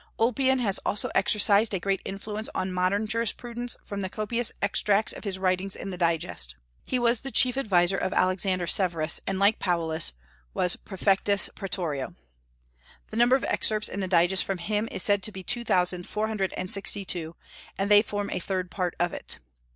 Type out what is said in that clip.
Ulpian has also exercised a great influence on modern jurisprudence from the copious extracts of his writings in the Digest. He was the chief adviser of Alexander Severus, and like Paulus was praefectus praetorio. The number of excerpts in the Digest from him is said to be two thousand four hundred and sixty two, and they form a third part of it.